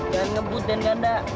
jangan ngebut dengan ganda